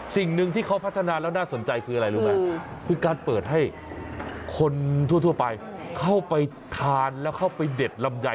สิ่งหนึ่งที่เขาพัฒนาแล้วน่าสนใจคืออะไรรู้ไหมคือการเปิดให้คนทั่วไปเข้าไปทานแล้วเข้าไปเด็ดลำไย